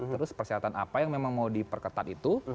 terus persyaratan apa yang memang mau diperketat itu